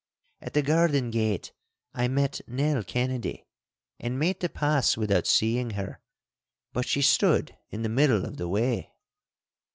At the garden gate I met Nell Kennedy, and made to pass without seeing her. But she stood in the middle of the way.